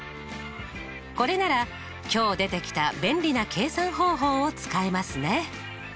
これなら今日出てきた便利な計算方法を使えますね。